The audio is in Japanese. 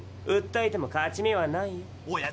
うったえても勝ち目はないよ。